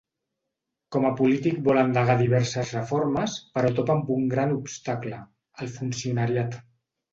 Com a polític vol endegar diverses reformes però topa amb un gran obstacle: el funcionariat.